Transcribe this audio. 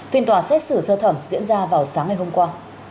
phiên tòa xét xử sơ thẩm diễn ra vào sáng ngày hôm qua